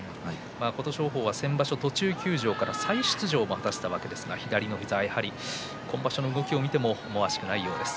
琴勝峰は先場所、途中休場から再出場を果たしましたが左膝、今場所の動きを見ても思わしくないようです。